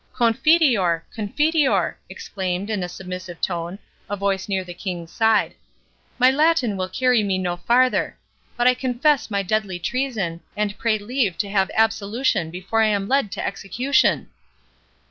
"'Confiteor! Confiteor!'"—exclaimed, in a submissive tone, a voice near the King's side—"my Latin will carry me no farther—but I confess my deadly treason, and pray leave to have absolution before I am led to execution!"